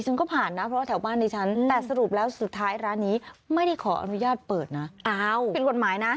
ฉันก็ผ่านนะเพราะว่าแถวบ้านดิฉันแต่สรุปแล้วสุดท้ายร้านนี้ไม่ได้ขออนุญาตเปิดนะอ้าวผิดกฎหมายนะ